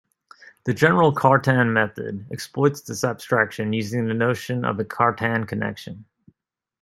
The general Cartan method exploits this abstraction using the notion of a Cartan connection.